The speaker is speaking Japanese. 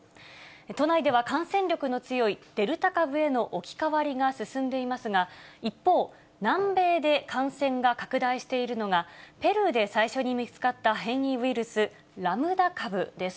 都内では感染力の強いデルタ株への置き換わりが進んでいますが、一方、南米で感染が拡大しているのが、ペルーで最初に見つかった変異ウイルス、ラムダ株です。